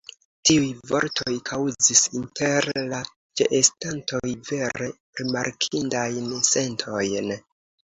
Tiuj vortoj kaŭzis inter la ĉeestantoj vere rimarkindajn sentojn.